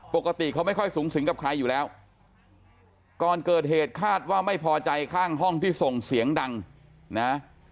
ปกติเขาไม่ค่อยสูงสิงกับใครอยู่แล้วก่อนเกิดเหตุคาดว่าไม่พอใจข้างห้องที่ส่งเสียงดังนะ